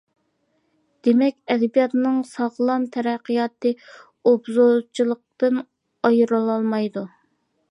دېمەك، ئەدەبىياتنىڭ ساغلام تەرەققىياتى ئوبزورچىلىقتىن ئايرىلالمايدۇ.